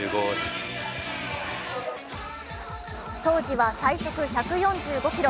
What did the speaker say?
当時は最速１４５キロ